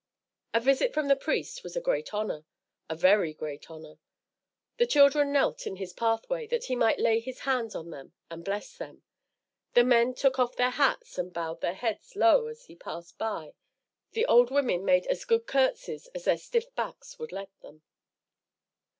A visit from the priest was a great honour, a very great honour. The children knelt in his pathway that he might lay his hands on them and bless them. The men took off their hats and bowed their heads low as he passed by. The old women made as good curtsys as their stiff backs would let them.